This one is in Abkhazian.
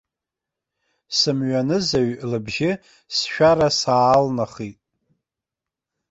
Сымҩанызаҩ лыбжьы сшәара саалнахит.